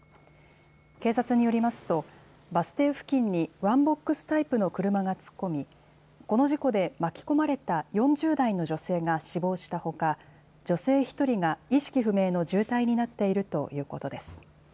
警察によりますと、バス停付近にワンボックスタイプの車が突っ込み、この事故で巻き込まれた４０代の女性が死亡したほか、女性１人が意識不明の重体になっているということです。